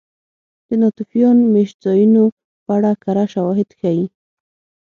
د ناتوفیان مېشتځایونو په اړه کره شواهد ښيي.